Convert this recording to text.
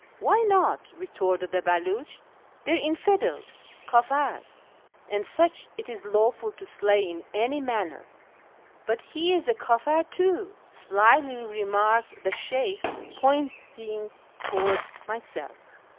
" Why not ?" retorted the Beliich, " they are infidels, kdfirs, and such it is lawful to slay in any manner." " But he is a Mfir too," slyly remarked the Sheykh, pointing towards myself.